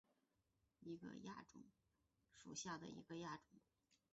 狭盔马先蒿黑毛亚种为玄参科马先蒿属下的一个亚种。